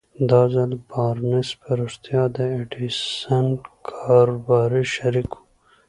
دا ځل بارنس په رښتيا د ايډېسن کاروباري شريک و.